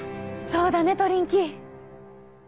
そうだねトリンキー！